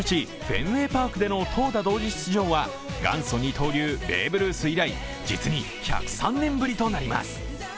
フェンウェイ・パークでの投打同時出場は元祖・二刀流、ベーブ・ルース以来、実に１０３年ぶりとなります。